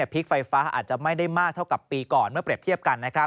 พลิกไฟฟ้าอาจจะไม่ได้มากเท่ากับปีก่อนเมื่อเปรียบเทียบกัน